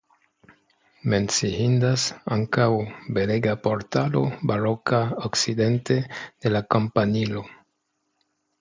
Menciindas ankaŭ belega portalo baroka okcidente de la kampanilo.